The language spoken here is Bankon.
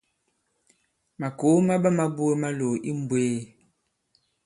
Màkòo ma ɓama buge malòò i mmbwēē.